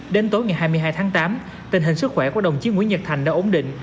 đến tối ngày hai mươi hai tháng tám tình hình sức khỏe của đồng chí nguyễn nhật thành đã ổn định